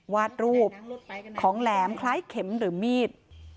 วาดรูปของแหลมคล้ายเข็มหรือมีด